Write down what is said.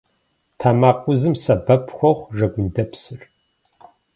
Тэмакъ узым сэбэп хуохъу жэгундэпсыр.